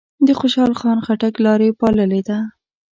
د خوشحال خان خټک لار یې پاللې ده.